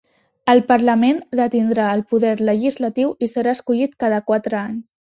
El Parlament detindrà el poder legislatiu i serà escollit cada quatre anys.